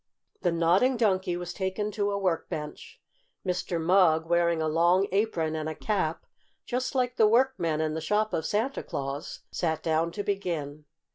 The Nodding Donkey was taken to a work bench. Mr. Mugg, wearing a long apron and a cap, just like the workmen in the shop of Santa Claus, sat down to begin.